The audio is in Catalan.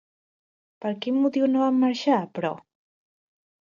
Per quin motiu no van marxar, però?